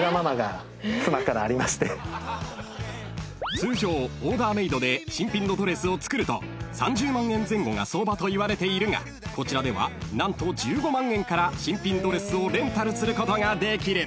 ［通常オーダーメードで新品のドレスを作ると３０万円前後が相場といわれているがこちらでは何と１５万円から新品ドレスをレンタルすることができる］